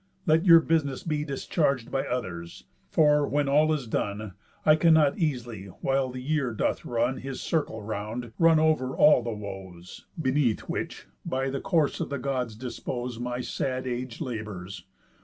Let your business be Discharg'd by others; for, when all is done, I cannot easily, while the year doth run His circle round, run over all the woes, Beneath which, by the course the Gods dispose, My sad age labours.